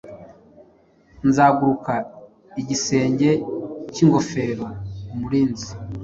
Zenguruka igisenge cyingofero umurinzi-